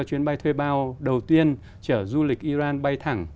chuyến bay thuê bao đầu tiên chở du lịch iran bay thẳng